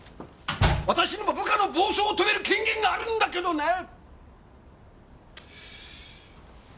私にも部下の暴走を止める権限があるんだけどなあ。